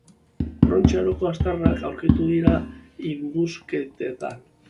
Brontze Aroko aztarnak aurkitu dira indusketetan.